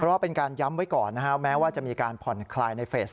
เพราะว่าเป็นการย้ำไว้ก่อนนะฮะแม้ว่าจะมีการผ่อนคลายในเฟส